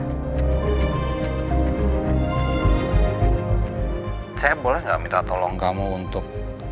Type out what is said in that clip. saya boleh nggak minta tolong kamu untuk